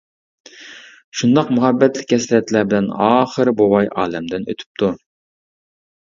شۇنداق مۇھەببەتلىك ھەسرەتلەر بىلەن ئاخىرى بوۋاي ئالەمدىن ئۆتۈپتۇ.